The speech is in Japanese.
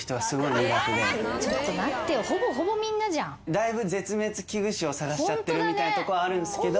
だいぶ絶滅危惧種を探しちゃってるみたいなとこはあるんすけど。